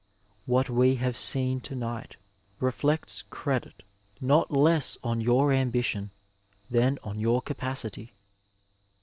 What we have seen to night reflects credit not less on your ambition than on your capacity.